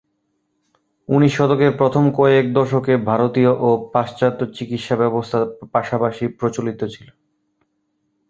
উনিশ শতকের প্রথম কয়েক দশকে ভারতীয় ও পাশ্চাত্য চিকিৎসা ব্যবস্থা পাশাপাশি প্রচলিত ছিল।